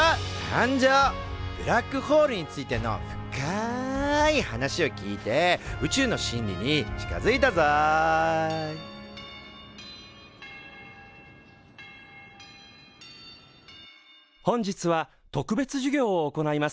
ブラックホールについての深い話を聞いて宇宙の真理に近づいたぞ本日は特別授業を行います。